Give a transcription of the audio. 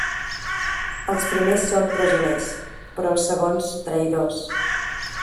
Els primers són presoners, però els segons traïdors.